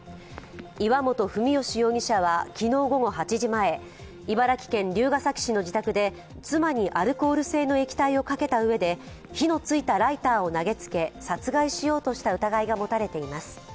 岩本文宜容疑者は昨日午後８時前、茨城県龍ケ崎市の自宅で妻にアルコール性の液体をかけたうえで火のついたライターを投げつけ殺害しようとした疑いが持たれています。